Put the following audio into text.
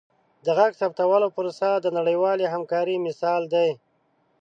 د غږ ثبتولو پروسه د نړیوالې همکارۍ مثال دی.